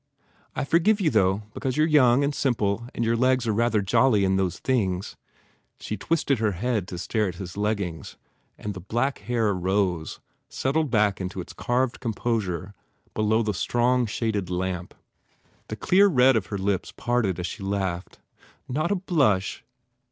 I forgive you though because you re young and simple and your legs are rather jolly in those things." She twisted her head to stare at his leggings and the black hair rose, settled back into its carved composure below the strong, shaded lamp. The clear red of her lips parted as she laughed, "Not a blush?